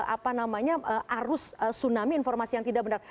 apa namanya arus tsunami informasi yang tidak benar